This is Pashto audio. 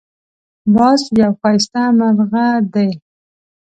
باز یو ښایسته مرغه دی